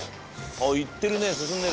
あっ行ってるね進んでる。